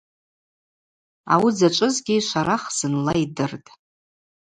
Ауи дзачӏвызгьи Шварах зынла йдыртӏ.